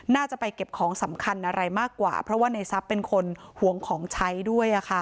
น่าจะไปเก็บของสำคัญอะไรมากกว่าเพราะว่าในทรัพย์เป็นคนหวงของใช้ด้วย